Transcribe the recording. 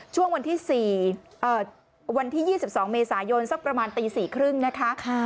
ช่วงวันที่๒๒เมษายนสักประมาณตี๔๓๐นะคะ